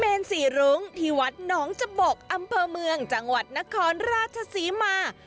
สี่รุ้งที่วัดหนองจบกอำเภอเมืองจังหวัดนครราชศรีมา